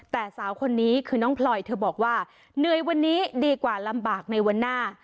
แต่สาวคนนี้คือน้องพลอยเธอบอกว่าเหนื่อยวันนี้ดีกว่าลำบากในวันหน้า